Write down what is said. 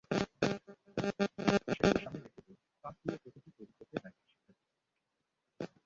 সেটিকে সামনে রেখে বোর্ড, কাঠ দিয়ে প্রতীকটি তৈরি করতে ব্যস্ত শিক্ষার্থীরা।